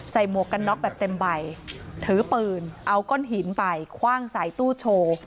หมวกกันน็อกแบบเต็มใบถือปืนเอาก้อนหินไปคว่างใส่ตู้โชว์